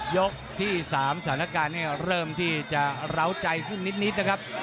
ยกที่สามศาลการณ์เริ่มที่จะร้าวใจคุณนิดนะครับ